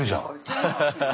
アハハハハ。